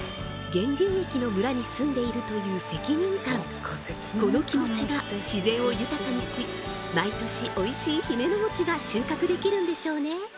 源流域の村に住んでいるという責任感この気持ちが自然を豊かにし毎年おいしいヒメノモチが収穫できるんでしょうね